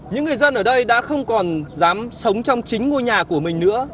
những người dân ở đây đã không còn dám sống trong chính ngôi nhà của mình nữa